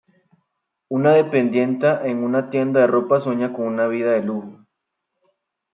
Una dependienta en una tienda de ropa sueña con una vida de lujo.